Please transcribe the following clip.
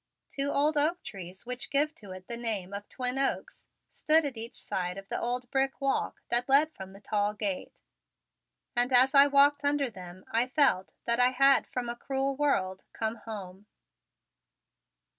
Two old oak trees which give to it the name of Twin Oaks stood at each side of the old brick walk that led from the tall gate, and as I walked under them I felt that I had from a cruel world come home.